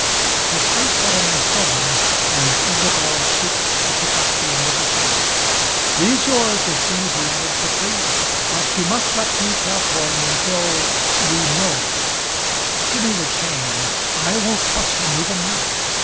His face suddenly sobered as Isobel stooped to pick up the end of the chain. "He's yours, Issy," he added quickly, "but you must let me care for him until we know. Give me the chain. I won't trust him even now.